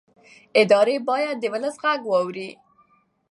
ادارې باید د ولس غږ واوري